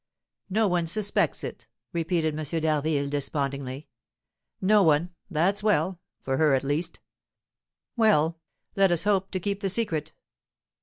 "No one suspects it," repeated M. d'Harville, despondingly; "no one, that's well, for her at least; well, let us hope to keep the secret."